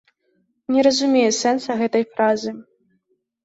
Не разумею сэнса гэтай фразы.